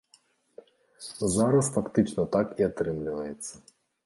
Зараз фактычна так і атрымліваецца.